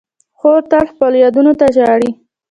خور تل خپلو یادونو ته ژاړي.